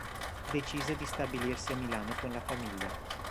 Decise di stabilirsi a Milano con la famiglia.